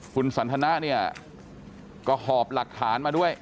คุณสันทนะเนี่ยก็หอบหลักฐานมาด้วย